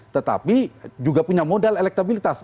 tetapi juga punya modal elektabilitas